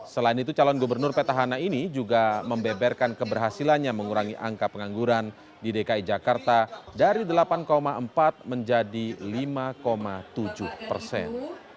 selain itu calon gubernur petahana ini juga membeberkan keberhasilannya mengurangi angka pengangguran di dki jakarta dari delapan empat menjadi lima tujuh persen